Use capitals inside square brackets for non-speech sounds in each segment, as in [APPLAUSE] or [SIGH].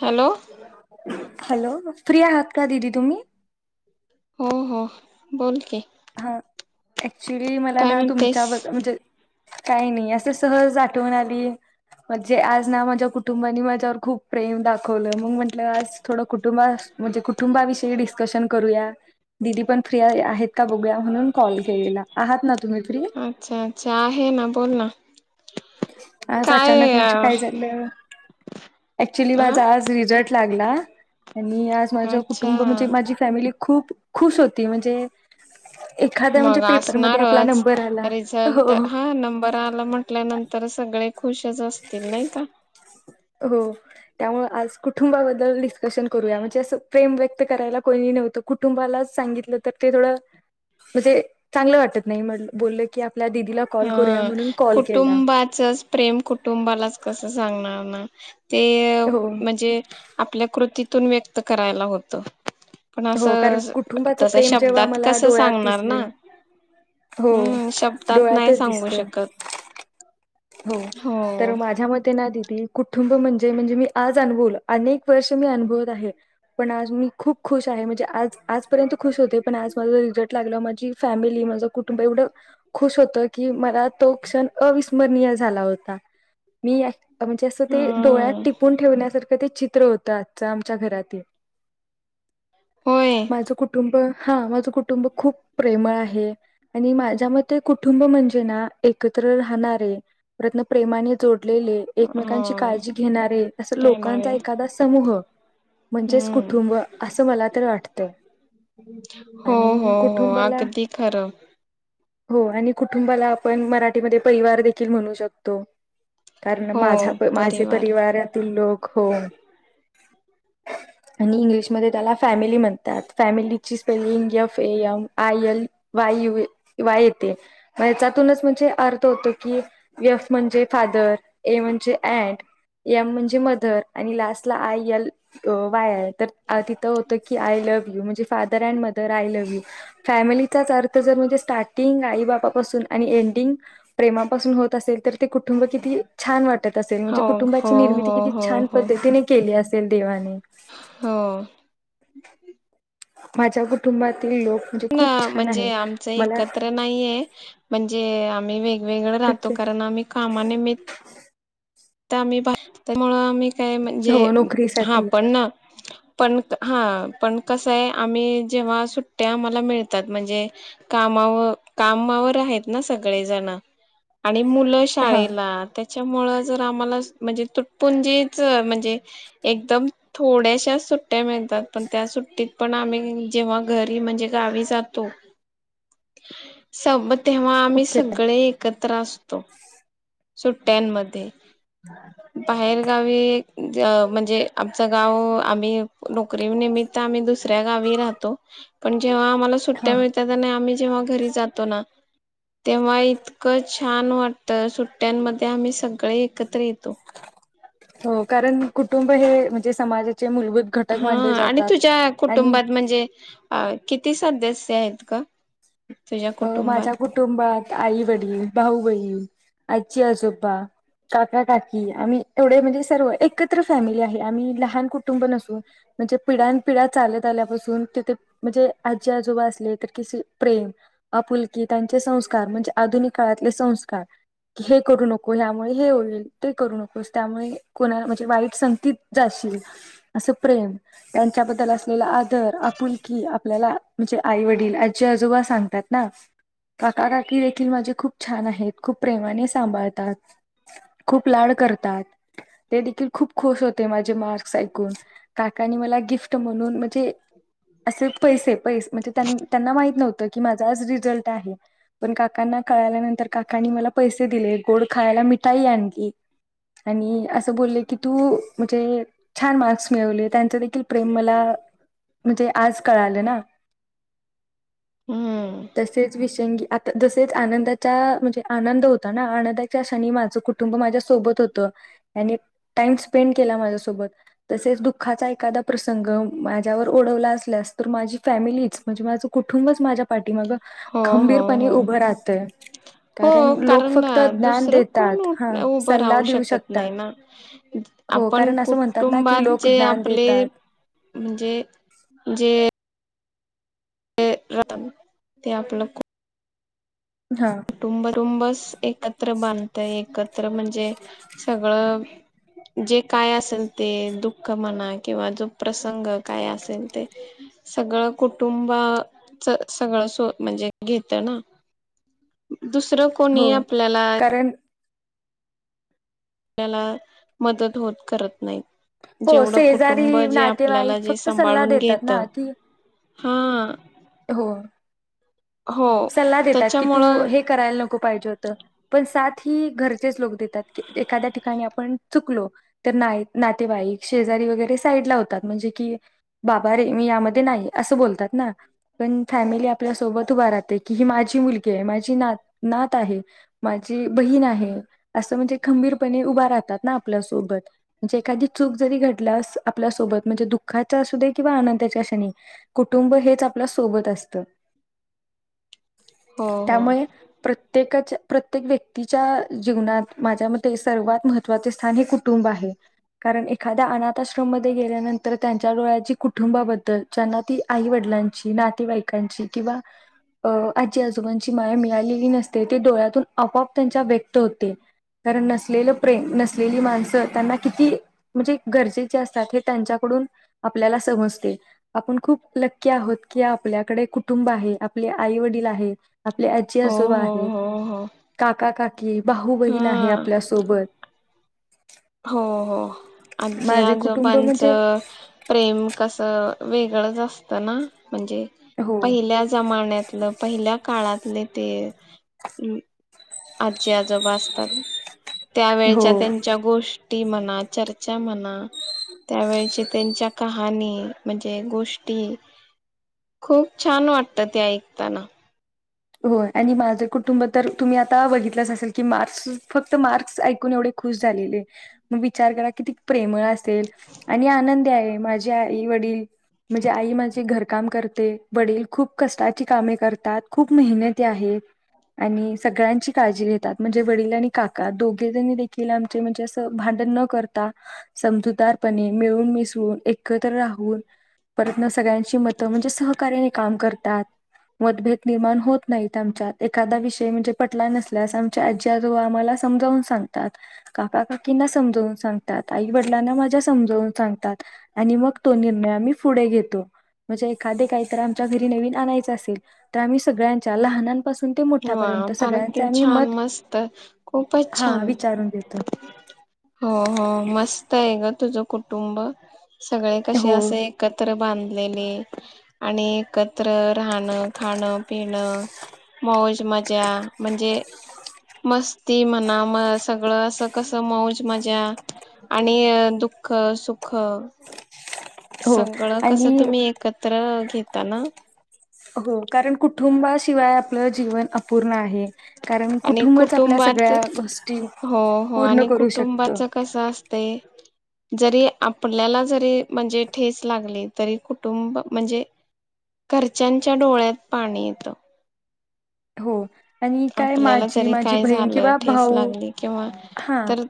Hello hello free आहात का दिदी तुम्ही हो हो बोल की हां चली मला काय ना म्हणतेस तुमच्या म्हणजे काही नाही असे सहज आठवून आली म्हणजे आज ना माझ्या कुटुंबानी माझ्यावर खूप प्रेम दाखवलं मग म्हंटलं. आज थोडं कुटुंब म्हणजे कुटुंबाविषयी डिस्कशन करूया दिदी पण फ्री आहेत. का ब म्हणून कॉल केलेला आहात न अच्छा अच्छा आहे ना बोल ना, आज काय अचानक म्हणजे काय हा झालं क्चुली माझा आज रिझ्ट लागला. मी आज माझं अच्छा कुटुंब म्हणजे माझी फॅमिली खूप खुश होती म्हणजे एखाद्या म्हणजे मग पेपरमध्ये आपला असणारच नंबर आला रिझल्ट हो हा नंबर आला. म्हट त्या नंतर सगळे खुशच असतील नाही का हो त्यामुळे आज कुटूंबाबद्दल डिसकशन करूया. म्हणजे अस प्रेम व्यक्त करायला कोणी नव्हतं कुटुंबालाच सांगितलं तर ते थोडं म्हणजे चांगलं वाटत नाही म्हट बोललं की, आपल्या दिदीला कॉल हा करूया म्हणून कॉल केला कुटुंबाचच प्रेम कुटुंबालाच कसं सांगणार ना. [INAUDIBLE] ते हो म्हणजे आपल्या कृतीत तुम्ही व्यक्त करायला होत. पण हो कारण असं कुटुंबाचं तस प्रेम जेव्हा शब्दात मला कस डोळ्यात सांगणार ना. दिसले हो हम् शब्दात नाही डोळ्यातच सांगू दिसत शकत. हो तर माझ्या मते ना दिदी कुटुंब म्हणजे म्हणजे मी आज अनुभवल अनेक वर्ष मी अनुभवत आहे पण आज मी खूप खुश आहे. म्हणजे आजपर्यंत खुश होते पण आज माझ जो रिझल्ट लागला माझी फॅमिली माझं कुटुंब एवढं खुश होतं की मला तो क्षण अवि -स्मणीय झाला होता. मी म्हणजे असं ते डोळ्यात हम्म टिपून ठेवण्यासारखं ते चित चित्र होत आजच आमच्या घरातल. होय माझं कुटुंब हा माझं कुटुंब खूप प्रेमळ आहे. आणि माझ्या मते कुटुंब म्हणजे ना एकत्र राहणार रन प्रेमाने जोड लेले एकमेकांची हो काळजी घेणारे असं देणार आहे लोकांचा एखादा समूह म्हणजेच कुटुंब हम्म असं मला तर वाटत, हो आणि हो हो कुटुंबाला अगदी खरं हो आणि कुटुंबाला आपण मराठीमध्ये परिवार देखील देखील म्हणू शकतो. कारण हो माझ्या माझे परिवार परिवारातील लोक हो आणि इंग्लिशमध्ये त्याला फॅमिली म्हणतात फॅमिलीची spelling F A M I L वायू वाय येते याच्यातूनच म्हणजे अर्थ होतो. की एफ म्हणजे फादर ए म्हणजे अंट एम म्हणजे मदर आणि लास्टला आय य वाय तर तिथं होतं की आय लव्ह यू म्हणजे father and mother I love you फॅमिलीचाच अर्थ जर म्हणजे स्टार्टिंग आई बापापासून आणि एंडिंग प्रेमापासून होत असेल तर ते कुटुंब किती छान वाटत असेल म्हणजे हो हो कुटुंबाची निर्मिती हो किती हो छान हो पद्धतीने केली असे. देवाने. हो. माझ्या कुटुंबात म्हणजे आमचं मला एकत्र नाहीये, म्हणजे मी वेग वेगळ राहतो, ओके कारण आम्ही कामा निमि त आम्ही भा त मुळ आम्ही काय म्हणजे हो हा नोकरीसाठी पण ना पण हा. पण कसंय आम्ही जेव्हा सुट्ट्या आम्हाला मिळतात म्हणजे कामाव कामावर आहेत ना सगळेजण. आणि मुलं हा शाळेला. त्या च्यामुळे जर आम्हाला म्हणजे तुटपुंजीच म्हणजे एकदम थोड्याश्या सुट्ट्या मिळतात, पण त्या सुट्टीत पण आम्ही जेव्हा घरी म्हणजे गावी जातो. सबत तेव्हा आम्ही ओके सगळे एकत्र असतो. सुट्टयांमध्ये बाहेर गावी ज म्हणजे आमच गाव आम्ही नोकरी निमित्त आम्ही दुसऱ्या गावी राहतो. पण जेव्हा आम्हाला हा सुट्ट्या मिळतात. आणि आम्ही जेव्हा घरी जातो ना तेव्हा इतकं छान वाटतं सुट्ट्यांमध्ये आम्ही सगळे कत्र येतो. हो कारण कुटुंब हे म्हणजे समाजाच् हा आणि तुझ्या आणि कुटुंबात म्हणजे अ किती सदस्य आहेत ग? तुझ्या अ कुटुंबात माझ्या कुटुंबात आई, वडील, भाऊ, बई ण, आजी, आजोबा, काका, काकी आम्ही एवढे म्हणजे सर्व एकत्र फॅमिली आहे. आम्ही लहान कुटुंब नसून म्हणजे पिढपिढ्या चालत आल्यापासून तिथे म्हणजे आजी, आजोबा असले तर किसी प्रेम अपुलकी त्यांचे संस्कार म्हणजे आधुनिक काळातले संस्कार की हे करू नको. ह्यामुळे हे होईल ते करू नकोस त्यामुळे कोणा म्हणजे वाईट संगतीत जाशील. असं प्रेम त्यांच्याबद्दल असलेला आ- दर आपुलकी आपल्याला म्हणजे आई, वडील, आजी, आजोबा सांगतात. ना काका, का की देखील माझे खूप छान आहेत खूप प्रेमाने सांभाळतात. खूप लाड करतात. ते देखील खूप खुश होते. मा झे मार्क्स ऐकुण, काकानी मला गिफ्ट म्हणून म्हणजे अस पैसे पैस म्हणजे त्यां त्यांना माहीत नव्हत की मा- झा आज रिजल्ट आहे. पण काकांना कळाल्यानंतर काकांनी मला पैसे दिले. गोड खायला मिठाई आणली. आणि असं बोलले की तू म्हणजे छान मार्क्स मिळवले. त्यांच देखील प्रेम मला म्हणजे आज कळालं ना हम्म तसेच विशंगी आत त जसेच आनंदाच्या म्हणजे, आनंद होता ना. आनंदाच्या क्षणी माझं कुटुंब माझ्यासोबत होतं. त्याने टाइम स्पेंड केला. माझ्यासोबत तसेच दुःखाचा एखादा प्रसंग माझ्यावर ओढवला असल्यास तर माझी फॅमिलीच म्हणजे माझं कुटुंबच माझ्या पाठी मग हो हो खंबीरपणे हो उभं राह हो कारण ज्ञान दुसरं कोण देतात हा उभं सल्ला राहू देऊ शकत नाही शकतात ना, हो आपण कारण असं म्हणतात ना की कुटुंबात लोक जे ज्ञान आपले देतात म्हणजे जे ते रा ते आपलं कु हा कुटुंबटुंबस एकत्र बांधतय, एकत्र म्हणजे सगळं जे काय असेल ते, दुःख म्हणा किंवा जो प्रसंग काय असेल ते, सगळं कुटुंब च सगळं सो म्हणजे घेत ना दुसरं कोणी हो आपल्याला कारण आपल्याला मदत होत करत नाही हो जेवढं शेजारी कुटुंब जे आपल्याला नातेवाईक जे फक्त सल्ला सांभाळून देतात घेत ना की, हा हो हो सल्ला देतात, की तू त्याच्यामुळं हे करायला नको पाहिजे होतं. पण सात ही घरचेच लोक देत तात, की एखाद्या ठिकाणी आपण चुकलो, तर नाहीत नातेवाईक शेजारी वगैरे साईडला होतात, म्हणजे की बाबा रे मी यामध्ये नाही असं बोलतात ना. पण फॅमिली आपल्यासोबत उभा राह ते. की ही माझी मुलगी आहे, माझी ना नात आहे, माझी बहीण आहे, असं म्हणजे खंबीरपणे उभा राहतात ना आपल्यासोबत. म्हणजे एखादी चूक जरी घडलं आपल्यासोबत, म्हणजे दुःखाचं असूदे किंवा आनंदाच्या क्षणी कुटुंब हेच आपल्यासोबत असतं. हो त्यामुळे प्रत्येक काच्या प्रत्येक व्यक् तीच्या जीवनात माझ्या म ते सर्वात महत् वाचे स्थानिक कुटुंब आहे. कारण एखाद्या अनाथ आश्रममध्ये गेल्यानंतर त्यांच्या डोळ्याची कुटुंबाबद्दल, ज्यांना ती आईवडिलांची, नातेवाईकांची किंवा आजीआजोबांची माया मिळालेली नसते, ते डोळ्यातून आपोआप त्यांच्या व्यक्त होते. कारण नसलेलं प्रेम, नसलेली माण सं त्यांना किती म्हणजे गरजेचे असतात, हे त्यांच्याकडून आपल्याला समजते. आपण खूप लक्की आहोत. की आपल्याकडे कुटुंब आहे. आप वडील आहे. आपले हो आजीआजोबा हो आहेत, हो हो हो काकाकाकी, बाहू बहीण आहे हा आपल्यासोबत. हो हो माझे कुटुंब म्हणजे आजीआजोबांचं प्रेम कसं वेगळंच असतना. म्हणजे हो पहिल्या जमान्यातलं, पहिल्या काळातले ते आजीआजोबा असतात. हो त्यावेेळच्या त्यांच्या गोष् टी म्हणा, चर्चा म्हणा. त्यावेळेची तेंच्या कहाणी, म्हणजे गोष्टी खूप छान वाटतात ते ऐकताना. होय आणि माझं कुटुंब तर तुम्ही आता बघितलंच असेल, की मार्क्स फक्त मार्क्स ऐकून एवढे खुश झालेले, मग विचार करा किती प्रेमळ आस तेल आणि आनंद दी आहे. माझे आई वडील म्हणजे आई माझी घरकाम करते, वडील खूप कष्टाची कामे करतात. खूप मेहनती आहेत आणि सगळ्यांची काळजी घेतात. म्हणजे वडील आणि काका दोघेजन देखील आमचे म्हणजे असं भांडण न करता समजूदारपणे मिळून मिसळून एकत्र राहून परत ना सगळ्यां ची मतं म्हणजे सहकाऱ्याने काम करतात. मतभेद निर्माण होत नाहीत आमच्यात. एखादा विषय म्हणजे पटला नसल्यास आमच्या आजीआजोबा आम्हाला समजावून सांगतात. काकाकाकींना समजवून सांगतात. आई वडिलांना माझ्या समजवून सांगतात आणि मग तो निर्णय आम्ही पुढे घेतो. म्हणजे एखादे काहीतरी आमच्या घरी नवीन आणायचं असेल आम्ही सगळ्यांच्या लहनांपासून ते वाव मोठ्यापर्यंत फार किती सगळ्यांचे आम्ही छान मत मस्त खूपच हा छान विचारून घेतो. हो हो मस्त आहे ग तुझ कुटुंब सगळे कशे हो असे एकत्र बांध आलेली आणि एकत्र राहणं, खाण पिणं मौज मजा म्हणजे मस्ती म्हणा म सगळ असं कस अस मौज मजा आ आणि दुःख, सुख हो सगळं कसं आणि तुम्ही एकत्र घेता ना हो कारण कुटुंबाशिवाय आपलं जीवन अपूर्ण आहे. कारण आणि कुटुंबच आपल्या कुटुंबात सगळ्या गोष्टी हो हो पूर्ण आणि करू शकत. कुटुंबाच कसं आसतय जरी आपल्याला जरी म्हणजे ठेच लागली तरी कुटुंब म्हणजे घरच्यांच्या डोळ्यात पाणी येत हो. आणि काय आपल्याला माझी, जरी माझी काय बहीण झालं किंवा ठेस भाऊ लागली किंवा हा तर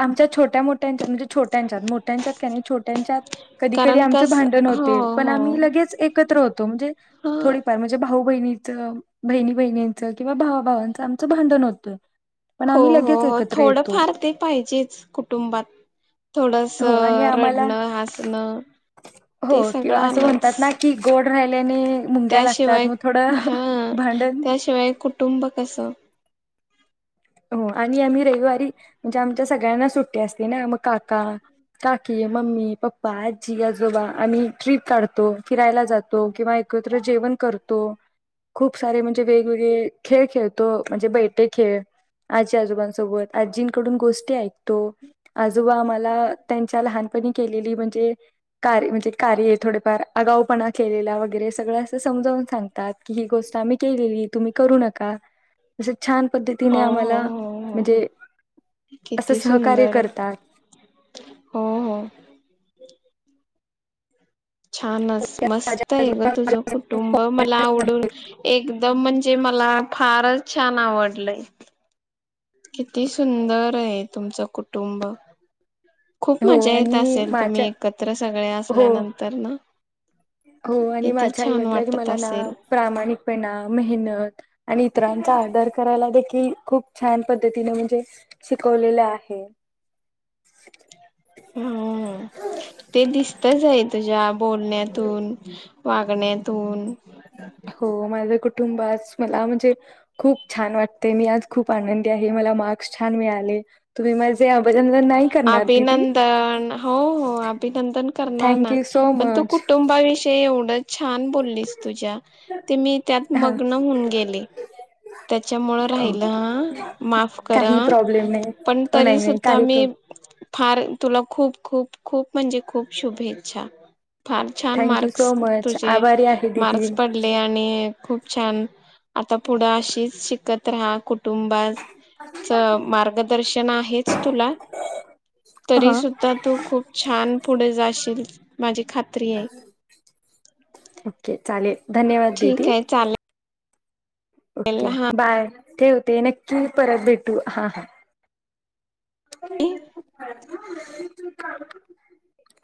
आमच्या छोट्या मोठ्यांच्या म्हणजे छोट्यांच्यात मोठ्यांच्यात का नाही छोट्यांच्यात कधी कधी कारण आमचे कस भांडण हो होते पण हो आम्ही लगेच एकत्र होतो. म्हणजे ह थोडीफार म्हणजे भाऊ बहिणी बहिणी बहिच किंवा भावाभवांचं आमचं भांडण होतं पण हो, आम्ही हो, लगेच हो, एकत्र थोडं येतो फार ते पाहिजेच कुटुंबात थोडस हो आणि आम्हाला रडणं हसणं ते सगळं आलंच. राहिल्या आणि मुंग्या लागतात त्याशिवाय म थोडं भांडण शिवाय कुटुंब कसं? हो आणि आम्ही रविवारी म्हणजे आमच्या सगळ्यांना सुट्टी असते ना मग काका, काकी मम्मी, पप्पा आजी, आजोबा आम्ही ट्रीप काढतो फिरायला जातो किंवा एकत्र जेवण करतो खूप सारे म्हणजे वेगवेगळे खेळ खेळतो म्हणजे बैठे खेळ आजी आजोबांसोबत आजींकडून गोष्टी ऐकतो आज आम्हाला त्यांच्या लहानपणी केलेली म्हणजे कार म्हणजे कार्य थोडेफार आगाऊपणा केलेला वगैरे हे असं समजावून सांगतात की, ही गोष्ट आम्ही केलेली तुम्ही करू नका असं छान पद्धतीने हो हो आम्हा हो हो म्हणजे असं किती सहकार्य सुंदर करतात. हो हो छानचं मस्त आहे गं तुझं कुटुंब मला आवडून एकदम म्हणजे मला फारचं छान आवडलय. किती सुंदर आहे तुमचं कुटुंब खूप हो मजा येत आणि असेल तुम्ही माझ्या एकत्र सगळे हो असल्यानंतर ना हो आणि किती माझ्या छान आईवडिलांनी की वाटत मला ना असेल प्रामाणिकपणा मेहनत आणि इतरांचा आदर करायला देखील खूप छान पद्धतीने म्हणजे शिकवलेलं आहे. हं हं ते दिसतचं आहेत. तेजाब बोलण्यातून वागण्यातून हो माझं कुटुंबचं मला म्हणजे खूप छान वाटते मी आज खूप आनंदी आहे मला मार्क्स छान मिळाले तुम्ही माझे अभिनंदन नाही करणार दिदी? अभिनंदन हो हो अभिनंदन करणार थँक ना यू सो पण तू मच. कुटुंबाविषयी एवढंच. छान बोललीस तुझ्या ते मी त्यात हा मग्न होऊन गेले त्याच्यामुळ राहिलं हां माफ करा काही हां प्रॉब्लेम नाही. पण अ, तरी नाही नाही सुद्धा काही मी प्रॉब्लेम फार तुला खूप खूप खूप म्हणजे खूप शुभेच्छा. फार छान thank you marks so much. तुझे आभारी आहे दिदी. मार्क्स पडले आणि खूप छान आता पुढं अशीच शीक. कतरा कुटुंबास. च मार्गदर्शन आहेच तुला तरी हा सुुद्धा तू खूप छान पुढे जाशील माझी खात्री आहे. ओके चालेल धन्यवाद ठीक दीदी. आहे चालेल ओके हा बाय. ते होते नक्की परत भेटू हा हा. [INAUDIBLE] [INAUDIBLE]